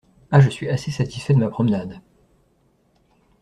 Ah, je suis assez satisfait de ma promenade!